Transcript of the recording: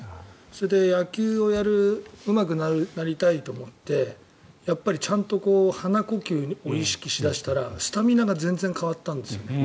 それで、野球をうまくなりたいと思ってやっぱりちゃんと鼻呼吸を意識し出したらスタミナが全然変わったんですよね。